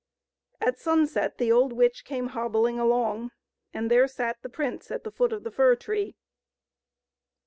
At sunset the old witch came hobbling along, and there sat the prince at the foot of the fir tree.